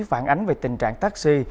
phản ánh về tình trạng taxi